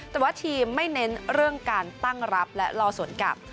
แต่ว่าทีมไม่เน้นเรื่องการตั้งรับและรอสวนกลับ